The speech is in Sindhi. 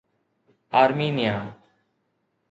آرمينيا